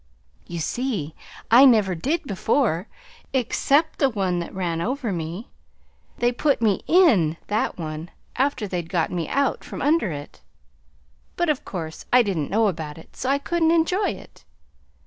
"You see I never did before, except the one that ran over me. They put me IN that one after they'd got me out from under it; but of course I didn't know about it, so I couldn't enjoy it.